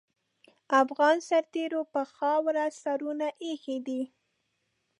افغان سرتېرو پر خاوره سرونه اېښي دي.